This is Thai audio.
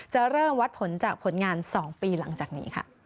จะเริ่มวัดผลจากผลงาน๒ปีหลังจากนี้ค่ะ